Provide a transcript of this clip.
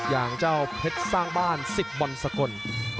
อย่างเจ้าเพชรสร้างบ้าน๑๐บอลสกล